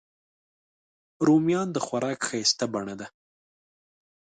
رومیان د خوراک ښایسته بڼه ده